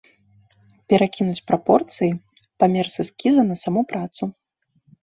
Перакінуць прапорцыі, памер з эскіза на саму працу.